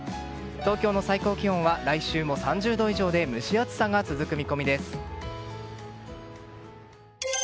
東京の最高気温は来週も３０度以上で蒸し暑さが続く見込みです。